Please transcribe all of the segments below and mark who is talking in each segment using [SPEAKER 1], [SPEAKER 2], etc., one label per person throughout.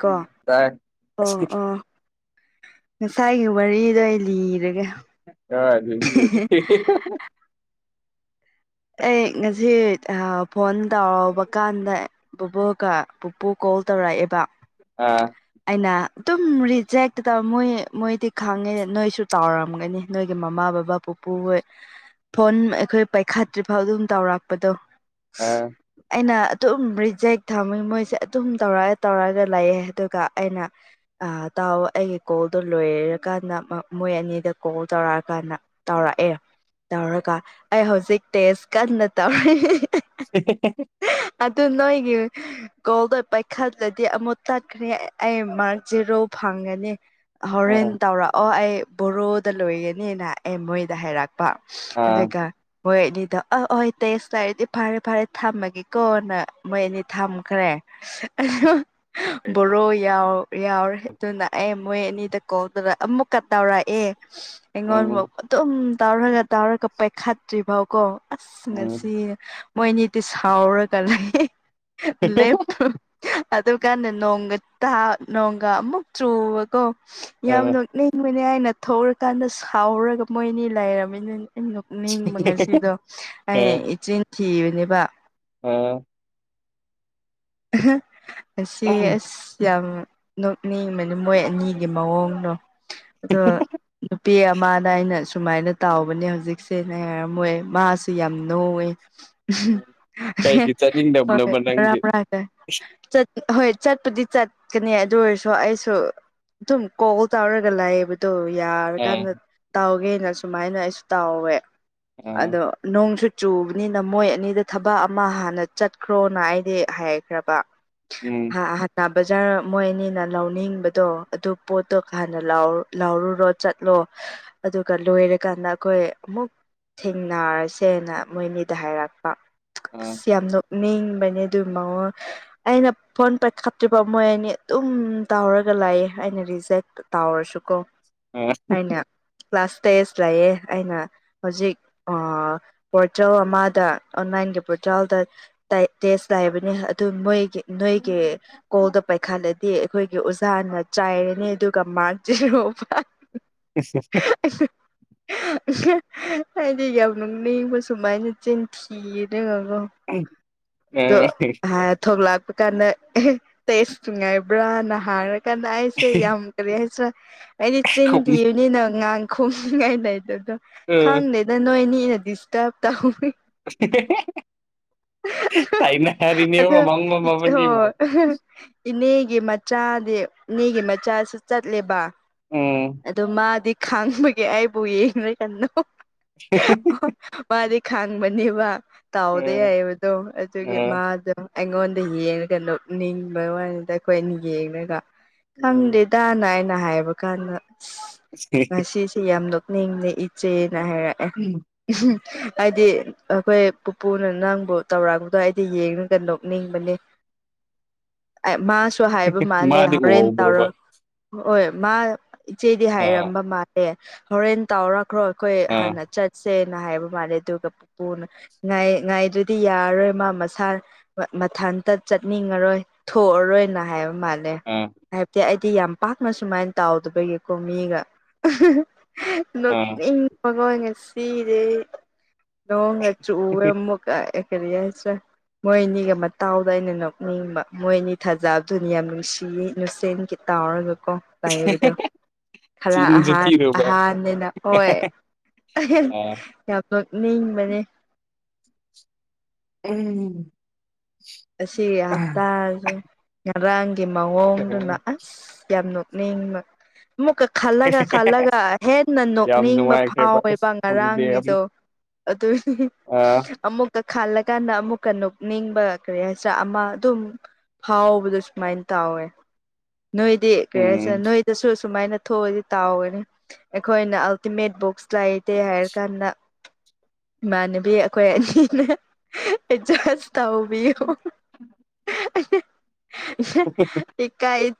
[SPEAKER 1] ꯀꯣ
[SPEAKER 2] ꯇꯥꯏ
[SPEAKER 1] ꯑꯣ ꯑꯣ꯫ ꯉꯁꯥꯏꯒꯤ ꯋꯥꯔꯤꯗꯣ ꯑꯩ ꯂꯤꯔꯒꯦ꯫
[SPEAKER 2] [unintelligible]
[SPEAKER 1] ꯑꯩ ꯉꯁꯤ ꯐꯣꯟ ꯇꯧꯕ ꯀꯥꯟꯗ ꯕꯨꯕꯣꯛꯀ꯫ ꯄꯨꯄꯨ ꯀꯣꯜ ꯇꯧꯔꯛꯑꯦꯕ꫰꫰
[SPEAKER 2] ꯑꯥ꯫
[SPEAKER 1] ꯑꯩꯅ ꯑꯗꯨꯝ ꯔꯤꯖꯦꯛꯇꯗ ꯃꯣꯏ ꯃꯣꯏꯗꯤ ꯈꯪꯉꯦ ꯅꯣꯏꯁꯨ ꯇꯥꯎꯔꯝꯒꯅꯤ꯫ ꯅꯣꯏꯒꯤ ꯃꯃꯥ ꯕꯕꯥ ꯄꯨꯄꯨ ꯍꯣꯏ ꯐꯣꯟ ꯑꯩꯈꯣꯏ ꯄꯥꯏꯈꯠ꯫ ꯇ꯭ꯔꯤꯐꯥꯎ ꯑꯗꯨꯝ ꯇꯧꯔꯛꯄꯗꯣ꯫
[SPEAKER 2] ꯑꯥ
[SPEAKER 1] ꯑꯩꯅ ꯑꯗꯨꯝ ꯔꯤꯖꯦꯛ ꯊꯝꯃꯤ ꯃꯣꯏꯁꯦ ꯑꯗꯨꯝ ꯇꯧꯔ ꯇꯧꯔꯒ ꯂꯩꯌꯦ ꯑꯗꯨꯒ ꯑꯩꯅ ꯑ ꯇꯥꯛꯑꯣ ꯑꯩꯒꯤ ꯀꯣꯜꯗꯣ ꯂꯣꯏꯔꯀꯥꯟꯗ ꯃꯣꯏ ꯑꯅꯤꯗ ꯀꯣꯜ ꯇꯧꯔꯛꯑꯀꯥꯟꯗ ꯇꯧꯔꯛꯑꯦ ꯇꯧꯔꯒ ꯑꯩ ꯍꯧꯖꯤꯛ ꯇꯦꯁ ꯀꯟꯅ ꯇꯧꯔꯤ
[SPEAKER 2] [inaudible]
[SPEAKER 1] ꯑꯗꯨ ꯅꯣꯏꯒꯤ ꯒꯣꯜꯗꯣ ꯄꯥꯏꯈꯠꯂꯗꯤ ꯑꯃꯨꯛ ꯇꯛꯈ꯭ꯔꯦ ꯑꯩ ꯃꯥꯛ ꯖꯦꯔꯣ ꯐꯪꯒꯅꯤ ꯍꯣꯔꯦꯟ
[SPEAKER 2] ꯑꯥ
[SPEAKER 1] ꯇꯧꯔꯛꯑꯣ ꯑꯩ ꯕꯣꯔꯣꯗ ꯂꯣꯏꯒꯅꯤꯅ ꯑꯩ ꯃꯣꯏꯗ ꯍꯥꯏꯔꯛ ꯀ
[SPEAKER 2] ꯑꯥ
[SPEAKER 1] ꯍꯣꯏꯅꯤ [inaudible] ꯑꯗꯣ ꯑꯣ ꯍꯣꯌ ꯇꯦꯁ ꯂꯩꯔꯗꯤ ꯐꯔꯦ ꯐꯔꯦ ꯊꯝꯃꯒꯦꯀꯣꯅ ꯃꯣꯏ ꯑꯅꯤ ꯊꯝꯈ꯭ꯔꯦ꯫ [unintelligible] ꯕꯣꯔꯣ ꯌꯥꯎ ꯌꯥꯎꯔꯦ ꯑꯗꯨꯅ ꯑꯩ ꯃꯣꯏ ꯑꯅꯤꯗ ꯀꯣꯜꯗꯨꯗ ꯑꯃꯨꯛ꯫ ꯀ ꯇꯧꯔꯛꯑꯦ ꯑꯩꯉꯣꯟꯕꯨ
[SPEAKER 2] ꯎꯝ
[SPEAKER 1] ꯑꯗꯨꯝ ꯇꯧꯔꯒ ꯇꯧꯔꯒ ꯄꯥꯏꯈꯠꯇ꯭ꯔꯤ ꯐꯥꯎꯀꯣ꯫ ꯑꯁ
[SPEAKER 2] ꯎꯝ
[SPEAKER 1] ꯉꯁꯤ ꯃꯣꯏꯅꯤꯗꯣ ꯁꯥꯎꯔꯒ ꯂꯩꯌꯦ ꯂꯦꯞꯄ꯫ ꯑꯗꯨꯀꯥꯟꯗ ꯅꯣꯡꯒ ꯇꯥ ꯅꯣꯡꯒ ꯑꯃꯨꯛ ꯆꯨꯕꯀꯣ ꯌꯥꯝ
[SPEAKER 2] ꯑꯥ
[SPEAKER 1] ꯅꯣꯛꯅꯤꯡ ꯅꯤꯡꯕꯅꯤ ꯑꯩꯅ ꯊꯣꯛꯔꯀꯥꯟꯗ ꯁꯥꯎꯔꯒ ꯃꯣꯏꯅꯤ ꯂꯩꯔꯝꯃꯤꯅꯤ ꯑꯩ ꯅꯣꯛꯅꯤꯡꯕ ꯉꯁꯤꯗꯣ꯫ ꯑꯩ ꯏꯆꯤꯟ ꯊꯤꯕꯅꯦꯕ꯫
[SPEAKER 2] ꯑ꯫
[SPEAKER 1] ꯅꯨꯡꯁꯤꯌꯦ ꯑꯁ ꯌꯥꯝ꯫ ꯅꯣꯛꯅꯤꯡꯕꯅꯤ ꯃꯣꯏ ꯑꯅꯤꯒꯤ ꯃꯑꯣꯡꯗꯣ ꯑꯗꯣ꯫ ꯅꯨꯄꯤ ꯑꯃꯗ ꯑꯩꯅ ꯁꯨꯃꯥꯏꯅ ꯇꯥꯎꯕꯅꯦ ꯍꯧꯖꯤꯛꯁꯦꯅꯔꯝꯃꯣꯏ ꯃꯥꯁꯨ ꯌꯥꯝ ꯅꯣꯡꯏ꯫
[SPEAKER 2] ꯀꯩꯒꯤ
[SPEAKER 1] ꯍꯣꯏ꯫
[SPEAKER 2] ꯆꯠꯅꯤꯡꯗꯕꯅꯣꯕ
[SPEAKER 1] ꯃꯔꯛ
[SPEAKER 2] ꯅꯪꯗꯤ
[SPEAKER 1] ꯆꯠ ꯍꯣꯏ ꯆꯠꯄꯨꯗꯤ ꯆꯠꯀꯅꯤ ꯑꯗꯨ ꯑꯣꯏꯔꯁꯨ ꯑꯩꯁꯨ ꯑꯗꯨꯝ ꯀꯣꯜ ꯇꯧꯔꯒ ꯂꯩꯕ꯫ ꯑꯗꯨ
[SPEAKER 2] ꯑꯥ
[SPEAKER 1] ꯌꯥꯔꯀꯥꯟꯗ ꯇꯥꯎꯒꯦꯅ ꯁꯨꯃꯥꯏꯅ ꯑꯩꯁꯨ ꯇꯥꯎꯋꯦ
[SPEAKER 2] ꯑꯥ
[SPEAKER 1] ꯑꯗꯣ꯫ ꯅꯣꯡꯁꯨ ꯆꯨꯕꯅꯤꯅ ꯃꯣꯏ ꯑꯅꯤꯗꯨ ꯊꯕꯛ ꯑꯃ ꯍꯥꯟꯅ ꯆꯠꯈ꯭ꯔꯣꯅ ꯑꯩꯗꯤ꯫ ꯍꯥꯏꯈ꯭ꯔꯕ꯫
[SPEAKER 2] ꯎꯝ꯫
[SPEAKER 1] ꯍꯥꯟꯅ ꯕꯖꯥꯔ ꯃꯣꯏ ꯑꯅꯤꯅ ꯂꯧꯅꯤꯡꯕꯗꯣ ꯑꯗꯨ ꯄꯣꯠꯇꯣ ꯍꯥꯟꯅ ꯂꯥꯎꯔꯨ ꯂꯥꯎꯔꯨꯔꯣ꯫ ꯆꯠꯂꯣ ꯑꯗꯨꯒ ꯂꯣꯏꯔꯀꯥꯟꯗ ꯑꯩꯈꯣꯏ ꯑꯃꯨꯛ꯫ ꯊꯦꯡꯅꯔꯁꯦꯅ ꯃꯣꯏꯅꯤꯗ ꯍꯥꯏꯔꯛꯄ
[SPEAKER 2] ꯑꯥ
[SPEAKER 1] ꯑꯁ ꯌꯥꯝ ꯅꯣꯛꯅꯤꯡꯕꯅꯤ꯫ ꯑꯗꯨꯏꯃꯉꯣꯟ꯫ ꯑꯩꯅ ꯐꯣꯟ ꯄꯥꯏꯈꯠꯇ꯭ꯔꯤꯐꯥꯎ ꯃꯣꯏ ꯑꯅꯤ ꯑꯗꯨꯝ ꯇꯧꯍꯔꯒ ꯂꯥꯌꯦ ꯑꯩꯅ ꯔꯤꯖꯦꯛ ꯇꯥꯎꯔꯁꯨꯀꯣ
[SPEAKER 2] ꯑꯥ
[SPEAKER 1] ꯑꯩꯅ ꯀ꯭ꯂꯥꯁ ꯇꯦꯁ ꯂꯩꯌꯦ ꯑꯩꯅ꯫ ꯍꯧꯖꯤꯛ ꯑꯥ ꯄꯣꯔꯇꯦꯜ ꯑꯃꯗ ꯑꯣꯟꯂꯥꯏꯟꯒꯤ ꯄꯣꯔꯇꯦꯜꯗ꯫ ꯇꯦꯁ ꯂꯥꯛꯕꯅꯦ ꯑꯗꯨ ꯃꯣꯏꯒꯤ ꯅꯣꯏꯒꯤ꯫ ꯀꯣꯜꯗ ꯄꯥꯏꯈꯠꯂꯩꯗꯤ ꯑꯩꯈꯣꯏꯒꯤ ꯑꯣꯖꯥꯅ ꯆꯥꯏꯔꯅꯤ ꯑꯗꯨꯒ ꯃꯥꯛ ꯖꯦꯔꯣ ꯐꯪꯉꯛꯅꯨ ꯀꯅꯕꯥ
[SPEAKER 2] [unintelligible]
[SPEAKER 1] [unintelligible] ꯑꯩꯗꯤ ꯌꯥꯝ ꯅꯣꯛꯅꯤꯡꯕ ꯁꯨꯃꯥꯏꯅ ꯆꯤꯟꯊꯤꯔꯉꯒꯣ꯫
[SPEAKER 2] [unintelligible]
[SPEAKER 1] ꯗꯨ ꯑꯥꯍꯥ ꯊꯣꯛꯂꯛꯄ ꯀꯥꯟꯗ ꯇꯦꯁ ꯅꯨꯡꯉꯥꯏꯕ꯭ꯔꯥꯅ ꯍꯥꯏꯔ꯫ ꯀꯅꯥ ꯑꯩꯁꯦ ꯌꯥꯝ ꯀꯔꯤꯍꯥꯏꯁꯤꯔꯥ ꯑꯩꯗꯤ ꯆꯤꯟ ꯊꯤꯕꯅꯤꯅ ꯉꯥꯡ ꯈꯨꯝꯅꯤꯡꯉꯥꯏ ꯂꯩꯇꯕꯗꯣ ꯈꯪꯗꯦꯗ ꯅꯣꯏꯅꯤꯅ ꯗꯤꯁꯇꯔꯕ ꯇꯧꯏ
[SPEAKER 2] [unintelligible]
[SPEAKER 1] ꯑꯗꯨ
[SPEAKER 2] ꯇꯥꯏꯅꯔꯤꯅꯦꯕ ꯃꯪꯕ ꯃꯕꯥꯅꯤꯕꯨ
[SPEAKER 1] ꯍꯣꯏ꯫ ꯏꯅꯦꯒꯤ ꯃꯆꯥꯗꯤ ꯏꯅꯦꯒꯤ ꯃꯆꯥꯁꯨ ꯆꯠꯂꯦꯕ
[SPEAKER 2] ꯎꯝ
[SPEAKER 1] ꯑꯗꯨ ꯃꯥꯗꯤ ꯈꯪꯕꯒꯤ ꯑꯩꯕꯨ ꯌꯦꯡꯉꯦ ꯀꯟꯗꯣ
[SPEAKER 2] [unintelligible]
[SPEAKER 1] ꯃꯥꯗꯤ ꯈꯥꯡꯕꯅꯦꯕ ꯇꯥꯎꯗꯦ
[SPEAKER 2] ꯑꯥ
[SPEAKER 1] ꯍꯥꯏꯕꯗꯣ ꯑꯗꯨꯒꯤ
[SPEAKER 2] ꯑꯥ
[SPEAKER 1] ꯃꯥ ꯑꯗꯣ ꯑꯩꯉꯣꯟꯗ ꯌꯦꯡꯉꯒ ꯅꯣꯛ ꯅꯤꯡꯕ ꯋꯥꯅꯤꯗ ꯑꯩꯈꯣꯏ ꯑꯅꯤ ꯌꯦꯡꯉꯒ
[SPEAKER 2] ꯎꯝ
[SPEAKER 1] ꯈꯪꯗꯦꯗꯅ ꯑꯩꯅ ꯍꯥꯏꯕ ꯀꯥꯟꯗ ꯑꯁ ꯉꯁꯤꯁꯦ ꯌꯥꯝ ꯃꯤꯡ ꯅ ꯏꯆꯦꯅ ꯍꯥꯏꯔꯛꯑꯦ ꯍꯥꯏꯗꯤ ꯑꯩꯈꯣꯏ ꯄꯨꯄꯨꯅ ꯅꯪꯕꯨ꯫ ꯇꯧꯔꯛꯄꯗꯣ ꯑꯩꯗꯤ ꯌꯦꯡꯉꯒ ꯅꯣꯛꯅꯤꯡꯕꯅꯤ ꯃꯥꯁ ꯁꯨ ꯍꯥꯏꯕ ꯃꯥꯜꯂꯦ
[SPEAKER 2] ꯃꯥꯗꯤ
[SPEAKER 1] ꯍꯣꯔꯦꯟ
[SPEAKER 2] ꯎꯍꯧꯕ꯭ꯔꯣꯕ
[SPEAKER 1] ꯇꯧꯔꯛ ꯍꯣꯏ ꯃꯥ ꯏꯆꯦꯗꯤ
[SPEAKER 2] ꯑꯥ
[SPEAKER 1] ꯍꯥꯏꯔꯝꯕ ꯃꯥꯜꯂꯦ ꯍꯣꯔꯦꯟ ꯇꯥꯎꯔꯛ ꯀ꯭ꯔꯣ ꯑꯩꯈꯣꯏ
[SPEAKER 2] ꯑꯥ
[SPEAKER 1] ꯍꯥꯟꯅ ꯆꯠꯁꯦꯅ ꯍꯥꯏꯕ ꯃꯥꯜꯂꯦ ꯑꯗꯨꯒ ꯄꯨꯄꯨꯅꯥꯏ ꯉꯥꯏ ꯉꯥꯏꯗꯨ꯫ ꯗꯤ ꯌꯥꯔꯔꯣꯏ ꯃꯥ ꯃꯁꯥ꯫ ꯃꯊꯟꯇ ꯆꯠꯅꯤꯡꯉꯔꯣꯏ ꯊꯣꯛꯑꯔꯣꯏꯅ ꯍꯥꯏꯕ ꯃꯥꯜꯂꯦ꯫
[SPEAKER 2] ꯎꯝ
[SPEAKER 1] ꯍꯥꯏꯕꯗꯤ ꯑꯩꯗꯤ ꯌꯥꯝ ꯄꯥꯛꯅ ꯁꯨꯃꯥꯏꯅ ꯇꯥꯎꯗꯕꯒꯤꯀꯣ ꯃꯤꯒ
[SPEAKER 2] ꯑꯥ
[SPEAKER 1] ꯅꯣꯛꯅꯤꯡ ꯃꯒꯣꯟꯒ ꯁꯤꯔꯦ ꯅꯣꯡꯒ ꯆꯨꯋꯦ ꯑꯃꯨꯛ ꯔꯤ ꯌꯥꯁꯦ ꯃꯣꯏ ꯑꯅꯤꯒ ꯃꯇꯥꯎꯗ ꯑꯩꯅ ꯅꯣꯛꯅꯤꯡꯕ ꯃꯣꯏ ꯑꯅꯤ ꯊꯥꯖꯕꯗꯨꯅꯤ ꯌꯥꯝ ꯅꯨꯡꯁꯤꯌꯦ [unintelligible] ꯇꯥꯎꯔꯒꯀꯣ ꯂꯩꯕꯗꯣ
[SPEAKER 2] [unintelligible]
[SPEAKER 1] ꯈꯔ
[SPEAKER 2] ꯆꯤꯟꯁꯨ
[SPEAKER 1] ꯑꯍꯥꯟ
[SPEAKER 2] ꯊꯤꯔꯨꯕ
[SPEAKER 1] ꯑꯍꯥꯟꯅꯤꯅ ꯍꯣꯏ
[SPEAKER 2] ꯑꯥ
[SPEAKER 1] ꯀꯌꯥ ꯄꯨꯛ ꯅꯤꯡꯕꯅꯦ
[SPEAKER 2] ꯎꯝ
[SPEAKER 1] ꯉꯁꯤ
[SPEAKER 2] ꯑ
[SPEAKER 1] ꯍꯞꯇꯥꯖꯦ ꯉꯔꯥꯡ ꯒꯤ ꯃꯑꯣꯡꯗꯨꯅ ꯑꯁ ꯌꯥꯝ ꯅꯣꯛꯅꯤꯡꯕ ꯑꯃꯨꯛ ꯈꯜꯂꯒ ꯈꯜꯂꯒ ꯍꯦꯟꯅ
[SPEAKER 2] ꯌꯥꯝ
[SPEAKER 1] ꯅꯣꯛꯅꯤꯡꯕ
[SPEAKER 2] ꯅꯨꯡꯉꯥꯏꯈ꯭ꯔꯦꯕ ꯑꯁ
[SPEAKER 1] ꯐꯥꯎꯋꯦꯕ
[SPEAKER 2] ꯍꯣꯂꯤꯗꯦ
[SPEAKER 1] ꯉꯔꯥꯡꯅꯤꯗꯣ
[SPEAKER 2] ꯑꯃꯨꯛ
[SPEAKER 1] ꯑꯗꯨꯗꯤ
[SPEAKER 2] ꯑꯥ
[SPEAKER 1] ꯑꯃꯨꯛꯀ ꯈꯜꯂꯀꯥꯟꯗ ꯑꯃꯨꯛꯀ ꯅꯣꯛ ꯅꯤꯡꯕ ꯀꯔꯤ ꯍꯥꯏꯁꯔꯦ ꯑꯃ ꯑꯗꯨꯝ ꯍꯥꯎꯕꯗ ꯁꯨꯃꯥꯏꯅ ꯇꯥꯎꯋꯦ ꯅꯣꯏꯗꯤ ꯀꯔꯤ
[SPEAKER 2] ꯎꯝ
[SPEAKER 1] ꯍꯥꯏꯁꯦꯔ ꯅꯣꯏꯗꯁꯨ ꯁꯨꯃꯥꯏꯅ ꯊꯣꯛꯑꯗꯤ ꯇꯥꯎꯒꯅꯤ ꯑꯩꯈꯣꯏꯅ ꯑꯜꯇꯤꯃꯦꯠ ꯕꯨꯛꯁ ꯂꯩꯇꯦ ꯍꯥꯏꯔ ꯀꯥꯟꯗ ꯏꯃꯥꯟꯅꯕꯤ ꯑꯈꯣꯏ ꯑꯅꯤꯅꯦ ꯑꯦꯗꯖꯁ ꯇꯧꯕꯤꯌꯦ [unintelligible]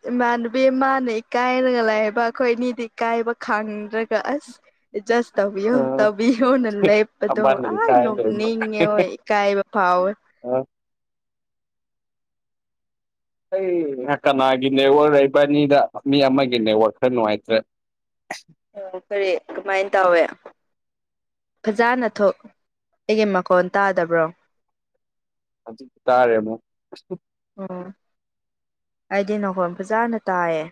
[SPEAKER 1] ꯏꯃꯅꯕꯤ ꯏꯃꯥꯅ ꯏꯀꯥꯏꯔꯒ ꯂꯩꯕ ꯑꯩꯈꯣꯏ ꯑꯅꯤꯗꯤ ꯏꯀꯥꯏꯕ ꯈꯪꯗ꯭ꯔꯒ ꯑꯁ ꯖꯁ ꯇꯕꯤꯌꯣ ꯇꯕꯤꯌꯣꯅ ꯂꯦꯞꯄꯗꯣ
[SPEAKER 2] ꯑꯝꯕꯥꯅꯤ
[SPEAKER 1] ꯑ
[SPEAKER 2] ꯀꯥꯏ ꯂꯩꯕ
[SPEAKER 1] ꯅꯤꯡꯉꯦ ꯍꯣꯏ ꯀꯥꯏꯕ ꯐꯥꯥꯎꯋꯦ
[SPEAKER 2] ꯑ ꯑꯩ ꯀꯅꯥꯒꯤ ꯅꯦꯠꯋꯥꯥꯛ ꯂꯩꯕꯅꯤꯗ ꯃꯤ ꯑꯃꯒꯤ ꯅꯦꯠꯋꯥꯥꯛꯛ ꯈꯔ ꯅꯨꯡꯉꯥꯏꯇ꯭ꯔꯦ
[SPEAKER 1] ꯑꯣ ꯀꯔꯤ ꯀꯃꯥꯏꯅ ꯇꯧꯋꯦ ꯐꯖꯅ ꯊꯣꯛ ꯑꯩꯒꯤ ꯃꯀꯣꯟ ꯇꯥꯗꯕ꯭ꯔꯣ
[SPEAKER 2] ꯍꯧꯖꯤꯛ ꯇꯥꯔꯦ ꯑꯃꯨꯛ
[SPEAKER 1] ꯑꯣ ꯑꯩꯗꯤ ꯅꯅꯥꯈꯣꯟ ꯕꯖꯥꯔꯅ ꯇꯥꯏꯌꯦ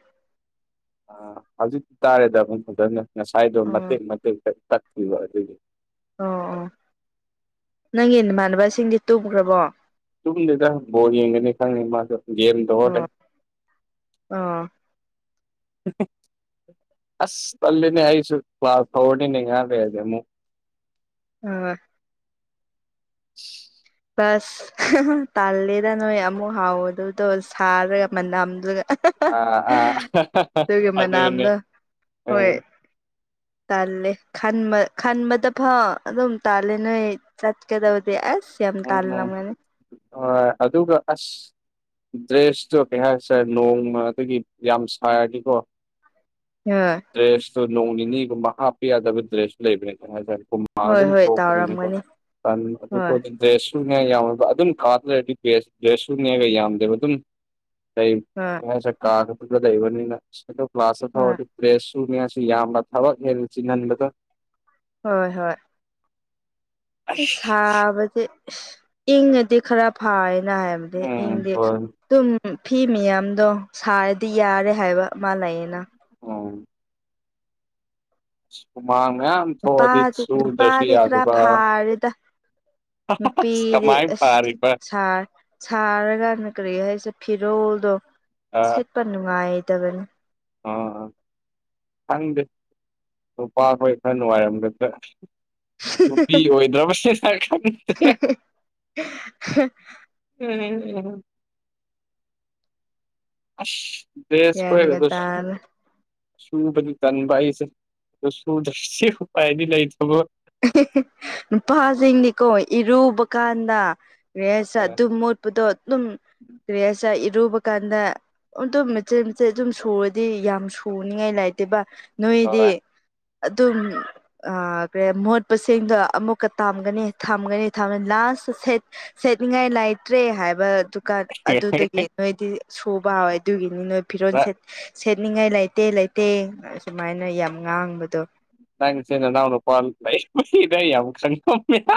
[SPEAKER 2] ꯑ ꯍꯧꯖꯤꯛ ꯇꯥꯔꯦꯗ ꯑꯃꯨꯛ ꯐꯖꯅ ꯉꯁꯥꯏꯗꯣ
[SPEAKER 1] ꯑꯣ
[SPEAKER 2] ꯃꯇꯦꯛ ꯃꯇꯦꯛ ꯇꯠꯈꯤꯕ ꯑꯗꯨꯒꯤ
[SPEAKER 1] ꯑꯣ ꯑꯣ ꯅꯪꯒꯤ ꯅꯃꯥꯟꯅꯕꯁꯤꯡꯗꯤ ꯇꯨꯈ꯭ꯔꯕꯣ
[SPEAKER 2] ꯇꯗꯦꯇ ꯣꯔꯤꯡꯒꯅꯤ ꯈꯅꯤ ꯃꯥꯁꯨ ꯍ ꯇꯦ
[SPEAKER 1] ꯑꯣ ꯑꯣ
[SPEAKER 2] [unintelligible] ꯑꯁ ꯄꯜꯂꯤꯅꯤ ꯑꯁꯨ ꯀ꯭ꯂ ꯐꯧꯅꯤ ꯌꯥꯥꯗꯦꯗꯦ ꯑꯃꯨꯛ
[SPEAKER 1] ꯑꯣ
[SPEAKER 2] ꯒ
[SPEAKER 1] ꯑꯁ ꯇꯥꯜꯂꯦꯗ ꯅꯣꯏ ꯑꯃꯨꯛ ꯍꯥꯎꯑꯗꯨ ꯑꯗꯣ ꯁꯥꯔꯒ ꯃꯅꯝꯗꯨꯒ
[SPEAKER 2] ꯑꯥ ꯑꯥ
[SPEAKER 1] ꯑꯗꯨꯒ
[SPEAKER 2] ꯑꯗꯨꯅꯦ
[SPEAKER 1] ꯃꯅꯝꯗꯣ
[SPEAKER 2] ꯎꯝ
[SPEAKER 1] ꯍꯣꯏ ꯇꯜꯂꯦꯕ ꯈꯟꯕꯗ ꯐꯥꯎ ꯑꯗꯨꯝ ꯇꯥꯜꯂꯦ ꯅꯣꯏ ꯆꯠꯀꯗꯕꯗꯤ ꯑꯁ ꯌꯥꯝ
[SPEAKER 2] ꯎꯝ
[SPEAKER 1] ꯇꯥꯜꯂꯝꯒꯅꯤ
[SPEAKER 2] ꯍꯣꯏ ꯑꯗꯨꯒ ꯑꯁ ꯗ꯭ꯔꯦꯁꯇꯨ ꯀꯩ ꯍꯥꯏꯁꯤꯔ ꯅꯣꯡꯃ ꯑꯗꯨꯒꯤ ꯌꯥꯝ ꯁꯥꯔꯗꯤꯀꯣ
[SPEAKER 1] ꯑꯥ
[SPEAKER 2] ꯗ꯭ꯔꯦꯁꯇꯨ ꯅꯣꯡ ꯅꯤꯅꯤꯒꯨꯝꯕ ꯍꯥꯞꯄ ꯌꯥꯗꯕ ꯗ꯭ꯔꯦꯁ ꯂꯩꯕꯅꯦ ꯀꯣ ꯍꯥꯏꯇꯥꯔꯦ ꯀꯣ
[SPEAKER 1] ꯍꯣꯏ
[SPEAKER 2] ꯑꯗꯨꯝ
[SPEAKER 1] ꯍꯣꯏ
[SPEAKER 2] ꯊꯣꯛꯄꯅꯤꯅꯦꯀꯣ
[SPEAKER 1] ꯇꯥꯎꯔꯝꯒꯅꯤ ꯍꯣꯏ
[SPEAKER 2] [unintelligible] ꯗ꯭ꯔꯦꯁꯁꯨꯅ ꯌꯎꯔꯥꯒ ꯑꯗꯨꯝ ꯀꯥꯗ꯭ꯔꯗꯤ ꯗ꯭ꯔꯦꯁꯁꯨꯅꯦꯒ ꯌꯥꯝꯗꯦꯕ ꯑꯗꯨꯝ ꯂꯩ
[SPEAKER 1] ꯑꯥ
[SPEAKER 2] ꯑꯩꯁꯦ ꯀꯥꯗ ꯈꯠꯇ ꯂꯩꯕꯅꯤꯅ ꯑꯗꯣ ꯀ꯭ꯂꯥꯁ ꯆꯠꯄ
[SPEAKER 1] ꯍꯣꯏ
[SPEAKER 2] ꯍꯧꯔꯗꯤ ꯗ꯭ꯔꯦꯁ ꯁꯨꯅꯦ ꯍꯥꯏꯁꯨ ꯌꯥꯝꯕ ꯊꯕꯛ ꯅꯦ ꯆꯤꯟꯍꯟꯕꯗꯣ
[SPEAKER 1] ꯍꯣꯏ ꯍꯣꯏ
[SPEAKER 2] ꯑꯁ
[SPEAKER 1] ꯁꯥꯕꯁꯦ ꯏꯪꯉꯗꯤ ꯈꯔ ꯐꯥꯏꯅ ꯍꯥꯏꯕꯗꯤ
[SPEAKER 2] ꯎꯝ
[SPEAKER 1] ꯏꯪꯗꯤ
[SPEAKER 2] ꯍꯣꯏ
[SPEAKER 1] ꯑꯗꯨꯝ ꯐꯤ ꯃꯌꯥꯝꯗꯣ ꯁꯥꯔꯗꯤ ꯌꯥꯔꯦ ꯍꯥꯏꯕ ꯑꯃꯜ ꯂꯩꯌꯦꯅ
[SPEAKER 2] ꯑꯣ ꯍꯨꯃꯥꯡ ꯃꯌꯥꯝ ꯊꯣꯛꯑꯗꯤ
[SPEAKER 1] ꯅꯨꯄꯥꯗꯤ
[SPEAKER 2] ꯁꯨꯗ꯭ꯔꯁꯨ
[SPEAKER 1] ꯅꯨꯄꯥꯗꯤ ꯈꯔ
[SPEAKER 2] ꯌꯥꯗꯕ
[SPEAKER 1] ꯐꯥꯔꯦꯗ
[SPEAKER 2] ꯑꯁ
[SPEAKER 1] ꯅꯨꯄꯤꯗꯤ
[SPEAKER 2] ꯀꯃꯥꯏꯅ
[SPEAKER 1] ꯑꯁ
[SPEAKER 2] ꯐꯥꯔꯤꯕ
[SPEAKER 1] ꯁꯥꯔ ꯁꯥꯔꯀꯥꯟꯗ ꯀꯔꯤ ꯍꯥꯏꯁꯦ ꯐꯤꯔꯣꯜꯗꯣ ꯁꯦꯠꯄ ꯅꯨꯡꯉꯥꯏꯗꯕꯅꯤ
[SPEAKER 2] ꯑꯣ ꯈꯪꯗꯦ ꯅꯨꯄꯥꯈꯣꯏ ꯈꯔ ꯅꯨꯡꯉꯥꯏꯔꯝꯒꯗ꯭ꯔ ꯅꯨꯄꯤ ꯑꯣꯏꯗ꯭ꯔꯕꯁꯦ [unintelligible] ꯎꯝ ꯑꯁ ꯗ꯭ꯔꯦꯁ
[SPEAKER 1] ꯒ꯭ꯌꯥꯟꯒ
[SPEAKER 2] ꯑꯣꯏꯕꯗꯨꯁ
[SPEAKER 1] ꯇꯥꯅ
[SPEAKER 2] ꯁꯨꯕꯗꯤ ꯇꯟꯕ ꯑꯩꯁꯦ ꯁꯨꯗ꯭ꯔꯗꯤ ꯎꯄꯥꯏꯗꯤ ꯂꯩꯇꯕ
[SPEAKER 1] ꯅꯨꯄꯥꯁꯤꯡꯗꯤꯀꯣ ꯏꯔꯨꯕ ꯀꯥꯟꯗ ꯔꯦꯁ ꯑꯗꯨꯝ ꯃꯣꯠ ꯗꯣ ꯑꯗꯨꯝ ꯀꯔꯤꯍꯥꯏꯁꯤꯔ ꯏꯔꯨꯕ ꯀꯥꯟꯗ ꯑꯗꯨꯝ ꯃꯆꯦꯠ ꯃꯦꯆꯦꯠ ꯑꯗꯨꯝ ꯁꯨꯔꯗꯤ ꯌꯥꯝ ꯁꯨꯅꯤꯉꯥꯏ ꯂꯩꯥꯏꯇꯦꯕ ꯅꯣꯏꯗꯤ
[SPEAKER 2] ꯍꯣꯏ
[SPEAKER 1] ꯑꯗꯨꯝ ꯄꯦ ꯃꯣꯠꯄꯁꯤꯡꯗꯣ ꯑꯃꯨꯛꯀ ꯇꯥꯝꯒꯅꯤ ꯊꯝꯒꯅꯤ ꯊꯝꯒ ꯂꯥꯁꯇ ꯁꯦꯠ ꯁꯦꯠꯅꯤꯡꯉꯥꯏ ꯂꯩꯇ꯭ꯔꯦ ꯍꯥꯏꯕꯗꯨꯀꯥꯟ ꯑꯗꯨꯗꯒꯤ ꯅꯣꯏꯗꯤ ꯁꯨꯕ ꯍꯥꯎꯋꯦ ꯑꯗꯨꯒꯤꯅꯤ ꯅꯣꯏ ꯐꯤꯔꯣꯜ ꯁꯦꯠ ꯁꯦꯠꯅꯤꯡꯉꯥꯏ ꯂꯩꯇꯦ ꯂꯩꯇꯦ ꯑꯁꯨꯃꯥꯏꯅ ꯌꯥꯝ ꯉꯥꯡꯕꯗꯣ
[SPEAKER 2] ꯅꯪꯁꯤ ꯅꯅꯥꯎ ꯅꯨꯄꯥ ꯂꯩ ꯁꯤꯗꯥ ꯌꯥꯝ ꯈꯪꯉꯝꯃꯤꯅꯥ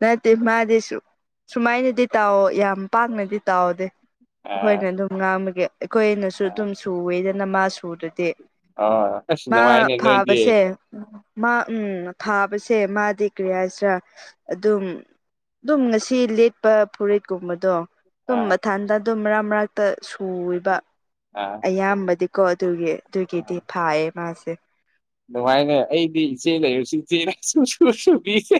[SPEAKER 1] ꯅꯠꯇꯦ ꯃꯥꯗꯤ ꯁꯨ ꯁꯨꯃꯥꯏꯅꯗꯤ ꯇꯧꯋꯣ ꯌꯥꯝ ꯄꯥꯛꯅꯗꯤ ꯇꯧꯗꯦ
[SPEAKER 2] ꯑ
[SPEAKER 1] ꯑꯩꯈꯣꯏꯅ ꯑꯗꯨꯝ ꯉꯥꯡꯕꯒꯤ ꯑꯩꯈꯣꯏꯅꯁꯨ
[SPEAKER 2] ꯑ
[SPEAKER 1] ꯑꯗꯨꯝ ꯁꯨꯋꯦꯗꯅ ꯃꯥ ꯁꯨꯗꯗꯤ
[SPEAKER 2] ꯑꯣ ꯑꯁ
[SPEAKER 1] ꯃꯥ
[SPEAKER 2] ꯅꯨꯡꯉꯥꯏꯅꯦ ꯅꯣꯏꯗꯤ
[SPEAKER 1] ꯐꯥꯕꯁꯦ ꯃꯥ ꯎꯝ ꯊꯥꯕꯁꯦ ꯃꯥꯗꯤ ꯀꯔꯤ ꯍꯥꯏꯁꯔꯥ ꯑꯗꯨꯝ ꯑꯗꯨꯝ ꯉꯁꯤ ꯂꯦꯠꯄ ꯐꯨꯔꯤꯠꯀꯨꯝꯕꯗꯣ ꯑꯗꯨꯝ
[SPEAKER 2] ꯑꯥ
[SPEAKER 1] ꯃꯊꯥꯟꯗ ꯑꯗꯨꯝ ꯃꯔꯛ ꯃꯔꯛꯇ ꯁꯨꯑꯦꯕ
[SPEAKER 2] ꯑꯥ
[SPEAKER 1] ꯌꯥꯝꯕꯗꯤꯀꯣ ꯑꯗꯨꯒꯤ ꯑꯗꯨꯒꯤꯗꯤ ꯐꯥꯏꯌꯦ ꯃꯥꯁꯦ
[SPEAKER 2] ꯅꯨꯡꯉꯥꯏꯅꯦ ꯑꯩꯗꯤ ꯏꯆꯦ ꯂꯩꯔꯨꯁꯨ ꯏꯆꯦꯅ ꯁꯨꯡꯁꯨ ꯁꯨꯕꯤꯁꯦ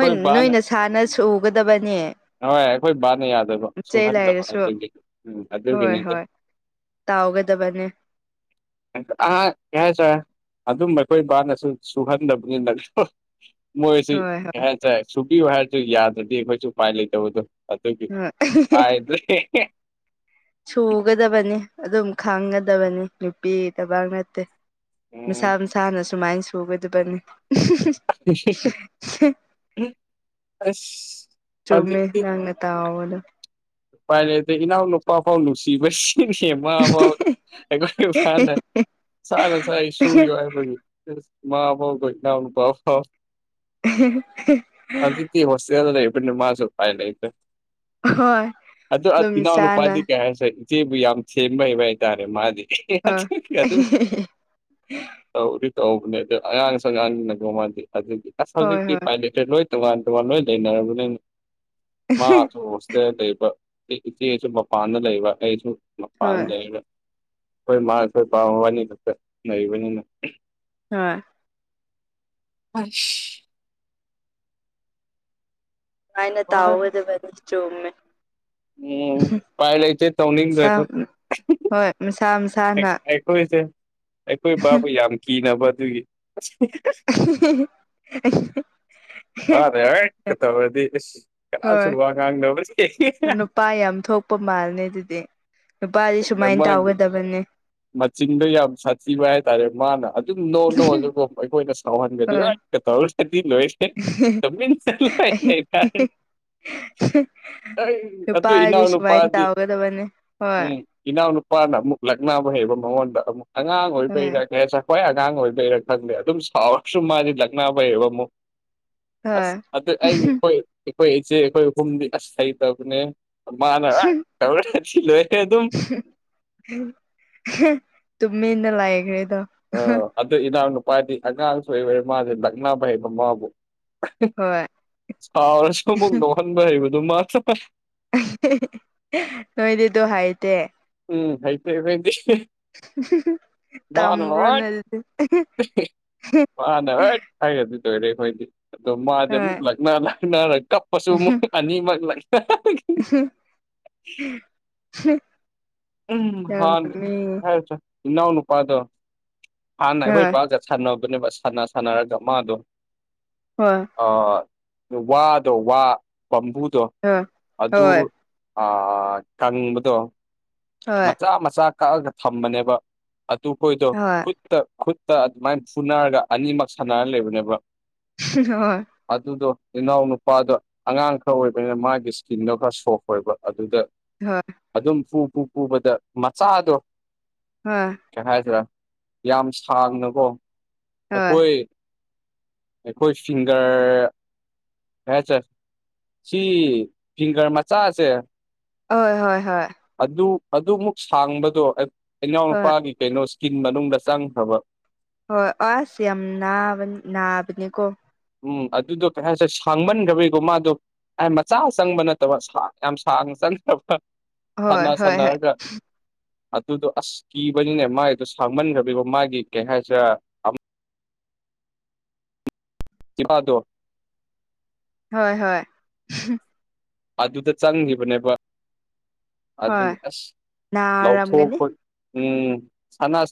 [SPEAKER 1] ꯍꯣꯏ ꯅꯣꯏꯅ ꯁꯥꯥꯟꯅ ꯁꯨꯒꯗꯕꯅꯦ
[SPEAKER 2] ꯍꯣꯏ ꯑꯩꯈꯣꯏ ꯕꯥꯅ ꯌꯥꯗꯕ
[SPEAKER 1] ꯆꯩ
[SPEAKER 2] ꯁꯨꯡꯍꯟꯗꯕ
[SPEAKER 1] ꯂꯩꯔꯁꯨ
[SPEAKER 2] ꯑꯗꯨꯒꯤ ꯑꯗꯨꯒꯤꯅꯤ
[SPEAKER 1] ꯇꯧꯒꯗꯕꯅꯦ
[SPEAKER 2] ꯑꯥ [unintelligible] ꯑꯗꯨꯝ ꯑꯩꯈꯣꯏ ꯏꯕꯥꯅꯁꯨ ꯁꯨꯍꯟꯗꯕꯅꯤ ꯅ ꯃꯣꯏꯁꯤ
[SPEAKER 1] ꯍꯣꯏ ꯍꯣꯏ
[SPEAKER 2] [unintelligible] ꯁꯨꯕꯤꯌꯨ ꯍꯥꯏꯔꯁꯨ ꯌꯥꯗ꯭ꯔꯗꯤ ꯑꯩꯈꯣꯏꯁꯨ ꯎꯄꯥꯏ ꯂꯩꯇꯕꯗꯣ ꯑꯗꯨꯒꯤ
[SPEAKER 1] ꯍꯣꯏ
[SPEAKER 2] ꯍꯥꯏꯗ꯭ꯔꯦ
[SPEAKER 1] ꯁꯨꯒꯗꯕꯅꯤ ꯑꯗꯨꯝ ꯈꯪꯒꯗꯕꯅꯤ ꯅꯨꯄꯤꯒꯤ ꯊꯕꯛ ꯅꯠꯇꯦ
[SPEAKER 2] ꯎꯝ
[SPEAKER 1] ꯃꯁꯥ ꯃꯁꯥꯅ ꯁꯨꯃꯥꯏꯅ ꯁꯨꯒꯗꯕꯅꯤ
[SPEAKER 2] [unintelligible] ꯑꯁ
[SPEAKER 1] ꯆꯨꯝꯃꯦ
[SPEAKER 2] ꯍꯧꯖꯤꯛꯇꯤ
[SPEAKER 1] ꯅꯪꯅ ꯇꯥꯑꯣꯗ
[SPEAKER 2] ꯄꯥꯏꯔꯦ ꯑꯗꯩ ꯏꯅꯥꯎ ꯂꯨꯄꯥꯐꯥꯎ ꯅꯨꯡꯁꯤꯕꯁꯤꯡ ꯁꯦꯝꯃꯐꯥꯎ ꯑꯩꯈꯣꯏ ꯐꯥꯅ [unintelligible] ꯁꯨꯌꯣ ꯍꯥꯏꯕꯒꯤ ꯃꯥ ꯐꯥꯎꯕ ꯏꯅꯥꯎꯅ ꯄꯥꯎ ꯐꯥꯎ
[SPEAKER 1] [unintelligible]
[SPEAKER 2] ꯍꯧꯖꯤꯛꯇꯤ ꯍꯣꯁꯇꯦꯜꯗ ꯂꯩꯕꯅꯤ ꯃꯥꯁꯨ ꯄꯥꯏ ꯂꯩ
[SPEAKER 1] ꯑꯥꯍꯣꯏ
[SPEAKER 2] ꯑꯗꯨ ꯏꯅꯥꯎ ꯅꯨꯨꯄꯥꯗꯤ ꯀꯩ ꯍꯥꯏꯁꯦ ꯏꯆꯦꯕꯨ ꯌꯥꯝ ꯁꯦꯝꯕ ꯍꯩꯕ ꯍꯥꯏꯇꯥꯔꯦ ꯃꯥꯗꯤ
[SPEAKER 1] ꯍꯣꯏ
[SPEAKER 2] [unintelligible] ꯇꯧꯗꯤ ꯇꯧꯕꯅꯦ ꯑꯗꯨ ꯑꯉꯥꯡꯁ ꯑꯉꯥꯡꯅꯒ ꯃꯥꯥꯟꯗꯦ ꯑꯗꯨꯗꯤ ꯑꯁ
[SPEAKER 1] ꯍꯣꯏ
[SPEAKER 2] ꯍꯧꯖꯤꯛꯇꯤ
[SPEAKER 1] ꯍꯣꯏ
[SPEAKER 2] ꯄꯥꯏꯗꯦ ꯂꯣꯏ ꯇꯣꯉꯥꯟ ꯇꯣꯉꯥꯟ ꯂꯣꯏ ꯂꯩꯅꯔꯕꯅꯤꯅ ꯃꯥ ꯏꯆꯦꯁꯨ ꯃꯄꯥꯟꯗ ꯂꯩꯕ꯭ꯔꯥ ꯑꯩꯁꯨ
[SPEAKER 1] ꯍꯣꯏ
[SPEAKER 2] ꯃꯄꯥꯟꯗ ꯂꯩꯔꯦ ꯑꯩꯈꯣꯏ ꯃꯥ ꯈꯣꯏꯄꯥ ꯃꯣꯏꯕꯅꯤ ꯈꯛꯇ ꯂꯩꯕꯅꯤꯅ
[SPEAKER 1] ꯍꯣꯢ
[SPEAKER 2] ꯍꯣꯏ [unintelligible]
[SPEAKER 1] ꯑꯥꯏꯅ ꯇꯥꯎꯒꯗꯕꯅꯤ ꯆꯨꯝꯃꯦ
[SPEAKER 2] ꯎꯝ ꯄꯥꯏ ꯂꯩꯆꯦ ꯇꯧꯅꯤꯗ꯭ꯔꯁꯨ
[SPEAKER 1] ꯃꯁꯥ ꯍꯣꯏ ꯃꯁꯥ ꯃꯁꯥꯅ
[SPEAKER 2] ꯑꯩꯈꯣꯏꯁꯦ ꯑꯩꯈꯣꯏ ꯕꯥꯕꯨ ꯌꯥꯝ ꯀꯤꯅꯕ ꯑꯗꯨꯒꯤ [unintelligible] ꯀ ꯇꯧꯔꯗꯤ ꯑꯁ ꯀꯅꯥꯁꯨ
[SPEAKER 1] ꯍꯣꯏ
[SPEAKER 2] ꯋꯥ ꯉꯥꯡꯗꯕ
[SPEAKER 1] ꯅꯨꯄꯥ ꯌꯥꯝ ꯊꯣꯛꯄ ꯃꯥꯜꯅꯦ ꯑꯗꯨꯗꯤ ꯅꯨꯄꯥꯗꯤ ꯁꯨꯃꯥꯏ ꯇꯥꯎꯒꯗꯕꯅꯤ
[SPEAKER 2] ꯃꯆꯤꯟꯗ ꯌꯥꯝ ꯁꯥꯊꯤꯕ ꯍꯥꯏꯇꯥꯔꯦ ꯃꯥꯅ ꯑꯗꯨꯝ ꯅꯣ ꯅꯣ ꯑꯒꯀꫭ ꯑꯩꯈꯣꯏꯅ ꯁꯥꯎꯍꯟꯒꯗꯤ
[SPEAKER 1] ꯍꯣꯏ
[SPEAKER 2] ꯀꯇꯧꯑꯥꯗꯤ [unintelligible] ꯑꯩꯩꯩ
[SPEAKER 1] ꯅꯨꯄꯥ
[SPEAKER 2] ꯑꯗꯨ
[SPEAKER 1] ꯍꯥꯏꯗꯤ
[SPEAKER 2] ꯏꯅꯥꯎꯅ
[SPEAKER 1] ꯁꯨꯃꯥꯏꯅ
[SPEAKER 2] ꯄꯥꯗ
[SPEAKER 1] ꯇꯧꯒꯗꯕꯅꯤ ꯍꯣꯏ
[SPEAKER 2] ꯎꯝ ꯏꯅꯥꯎꯅꯨꯄꯥꯅ ꯑꯃꯨꯛ ꯂꯛꯅꯕ ꯍꯩꯕ ꯃꯉꯣꯟꯗ ꯑꯃꯨꯛ ꯑꯉꯥꯡ ꯑꯣꯏꯔꯤꯕꯩꯔ
[SPEAKER 1] ꯍꯣꯏ
[SPEAKER 2] [unintelligible] ꯍꯣꯏ ꯑꯉꯥꯡ ꯑꯣꯏꯗꯩꯔꯥ ꯈꯪꯗꯦ ꯑꯗꯨꯝ ꯁꯥꯎꯔꯛꯁꯨ ꯃꯥꯗꯤ ꯂꯛꯅꯥ [unintelligible]
[SPEAKER 1] ꯍꯣꯏ
[SPEAKER 2] ꯑꯁ ꯑꯗꯨ ꯑꯩ ꯑꯩꯈꯣꯏ ꯑꯩꯈꯣꯏ ꯏꯆꯦ ꯑꯩꯈꯣꯏ ꯑꯥꯍꯨꯝꯗꯤ ꯑꯁ ꯍꯩꯇꯕꯅꯦ ꯃꯥꯅ [unintelligible] ꯑꯗꯨꯝ
[SPEAKER 1] [unintelligible] ꯇꯨꯃꯤꯟꯅ ꯂꯥꯛꯈ꯭ꯔꯦꯗꯣ
[SPEAKER 2] ꯑ ꯑꯗ ꯏꯅꯥꯎ ꯅꯨꯄꯥꯗꯤ ꯑꯉꯥꯡꯁꯨꯕꯔꯦ ꯃꯥꯁꯦ ꯂꯛꯅꯕ ꯍꯩꯕ ꯃꯥꯕꯨ
[SPEAKER 1] ꯍꯣꯏ
[SPEAKER 2] ꯁꯥꯎꯔꯁꯨ ꯑꯃꯨꯛ ꯅꯣꯛꯍꯟꯕ ꯍꯩꯕꯗꯨ ꯃꯥ ꯆ
[SPEAKER 1] [unintelligible] ꯅꯣꯏꯗꯤꯗꯣ ꯍꯥꯏꯇꯦ
[SPEAKER 2] ꯎꯝ ꯍꯩꯇꯦ [unintelligible] [unintelligible]
[SPEAKER 1] ꯇꯝꯈ꯭ꯔꯣꯅꯦ ꯑꯗꯨꯗꯤ
[SPEAKER 2] ꯍꯥꯏꯔꯗꯤꯗꯣꯏꯔꯦ ꯑꯩꯈꯣꯏꯗꯤ ꯑꯗꯣ ꯃꯥꯗꯤ
[SPEAKER 1] ꯍꯣꯏ
[SPEAKER 2] ꯑꯃꯨꯛ ꯂꯛꯅ ꯂꯥꯛꯅꯔ ꯀꯞꯄꯁꯨ ꯑꯃꯨꯛ ꯑꯅꯤꯃꯛ [unintelligible]
[SPEAKER 1] [unintelligible]
[SPEAKER 2] ꯎꯝ
[SPEAKER 1] ꯌꯥꯝ
[SPEAKER 2] ꯍꯥꯟ
[SPEAKER 1] ꯅꯣꯛꯅꯤꯡꯉꯦ
[SPEAKER 2] ꯏꯅꯥꯎ ꯅꯨꯄꯥꯗꯣ ꯍꯥꯟꯅ ꯑꯩꯈꯣꯏ
[SPEAKER 1] ꯍꯣꯏ
[SPEAKER 2] ꯄꯥꯖꯠ ꯁꯥꯟꯅꯕꯅꯦꯕ ꯁꯥꯟꯅ ꯁꯥꯟꯅꯔꯒ ꯃꯥꯗꯣ
[SPEAKER 1] ꯍꯣꯏ
[SPEAKER 2] ꯋꯥꯗꯣ ꯋꯥ ꯄꯝꯕꯨꯗꯣ
[SPEAKER 1] ꯍꯣꯏ
[SPEAKER 2] ꯑꯗꯨ
[SPEAKER 1] ꯍꯣꯏ
[SPEAKER 2] ꯑ ꯀꯪꯕꯗꯣ ꯃꯆꯥ ꯃꯆꯥ ꯀꯛꯑꯒ ꯊꯝꯕꯅꯦꯕ ꯑꯗꯨꯈꯣꯏꯗꯣ ꯈꯨꯠ
[SPEAKER 1] ꯍꯣꯏ
[SPEAKER 2] ꯈꯨꯠꯇ ꯈꯨꯠꯇ ꯑꯗꯨꯃꯥꯏꯅ ꯐꯨꯅꯔꯒ ꯑꯅꯤꯃꯛ ꯁꯥꯟꯅꯔ ꯂꯩꯕꯅꯦꯕ
[SPEAKER 1] ꯍꯣꯏ
[SPEAKER 2] ꯑꯗꯨꯗꯨ ꯏꯅꯣ ꯅꯨꯄꯥ ꯗ ꯑꯉꯥꯡ ꯈꯔ ꯑꯣꯏꯕꯅꯤꯅ ꯃꯥꯒꯤ ꯏꯁꯀꯤꯟꯗꯣ ꯈꯔ ꯁꯣꯐ ꯑꯣꯏꯕ ꯑꯗꯨꯗ
[SPEAKER 1] ꯍꯣꯏ
[SPEAKER 2] ꯑꯗꯨꯝ ꯄꯨ ꯄꯨ ꯄꯨꯕꯗ ꯃꯆꯥꯗꯣ
[SPEAKER 1] ꯍꯣꯏ
[SPEAKER 2] ꯀꯩ ꯍꯥꯏꯗ꯭ꯔꯥ ꯌꯥꯝ ꯁꯥꯡꯅꯀꯣ
[SPEAKER 1] ꯍꯣꯏ
[SPEAKER 2] ꯑꯩꯈꯣꯏ ꯑꯩꯈꯣꯏ ꯁꯤꯡꯒꯔ ꯍꯥꯏ ꯁꯔ ꯁꯤ ꯐꯤꯡꯒꯔ ꯃꯆꯥꯁꯦ
[SPEAKER 1] ꯍꯣꯏ ꯍꯣꯏ ꯍꯣꯏ
[SPEAKER 2] ꯑꯗꯨ ꯑꯗꯨꯃꯨꯛ ꯁꯥꯡꯕꯗꯣ
[SPEAKER 1] ꯍꯣꯏ
[SPEAKER 2] ꯏꯅꯥꯎꯅꯨꯄꯥꯒꯤ ꯀꯩꯅꯣ ꯏꯁꯀꯤꯟ ꯃꯅꯨꯡꯗ ꯆꯪꯈ꯭ꯔꯕ
[SPEAKER 1] ꯍꯣꯏ ꯑꯁ ꯌꯥꯝ ꯅꯥꯕ ꯅꯥꯕꯅꯤꯀꯣ
[SPEAKER 2] ꯎꯝ ꯑꯗꯨꯗꯣ ꯀꯩ ꯍꯥꯏꯁꯦ ꯁꯥꯡꯃꯟꯈ꯭ꯔꯕꯩꯀꯣ ꯃꯥꯗꯣ ꯃꯆꯥ ꯆꯪꯕ ꯅꯠꯇꯕ ꯌꯥꯝ ꯁꯥꯡꯅ ꯆꯪꯗꯕ
[SPEAKER 1] ꯍꯣꯏ
[SPEAKER 2] ꯁꯥꯟꯅ
[SPEAKER 1] ꯍꯣꯏ ꯍꯣꯏ
[SPEAKER 2] ꯁꯥꯟꯅꯔꯒ ꯑꯗꯨꯗꯣ ꯑꯁ ꯀꯤꯕꯅꯤꯅꯦ ꯃꯥꯒꯤꯗꯣ ꯁꯥꯡꯃꯟꯈ꯭ꯔ [unintelligible] ꯃꯥꯒꯤ ꯀꯩ ꯍꯥꯏꯁꯤꯔꯥ ꯆꯄꯥ ꯗꯣ
[SPEAKER 1] ꯍꯣꯏ ꯍꯣꯏ
[SPEAKER 2] ꯑꯗꯨꯗ ꯆꯪꯈꯤꯕꯅꯦꯕ ꯑꯗꯨ
[SPEAKER 1] ꯍꯣꯏ
[SPEAKER 2] ꯑꯁ
[SPEAKER 1] ꯅꯥꯔꯝꯒꯅꯤ
[SPEAKER 2] ꯂꯧꯊꯣꯛꯄ ꯎꯝ ꯁꯅꯥ